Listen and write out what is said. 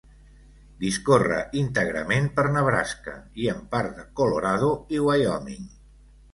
Discorre íntegrament per Nebraska, i en part de Colorado i Wyoming.